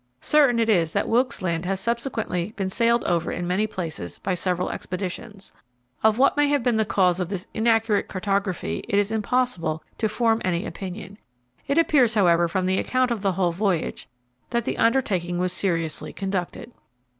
Certain it is that Wilkes Land has subsequently been sailed over in many places by several expeditions. Of what may have been the cause of this inaccurate cartography it is impossible to form any opinion. It appears, however, from the account of the whole voyage, that the undertaking was seriously conducted.